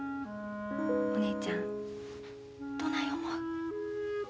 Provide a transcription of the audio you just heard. お姉ちゃんどない思う？